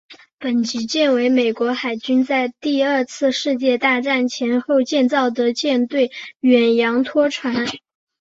本级舰为美国海军在第二次世界大战前后建造的舰队远洋拖船。